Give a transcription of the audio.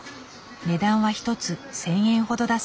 値段は一つ１，０００円ほどだそう。